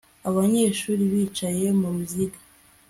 Abanyeshuri bicaye muruziga